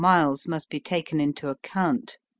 miles must be taken into account.